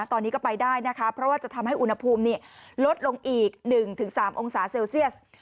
ตอนนี้ก็ไปได้นะคะเพราะว่าจะทำให้อุณหภูมิลดลงอีก๑๓องศาเซลเซียส